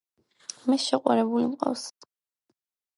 მე შეყვარებული მყავს.